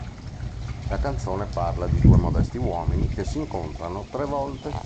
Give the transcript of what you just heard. La canzone parla di due modesti uomini che si incontrano tre volte.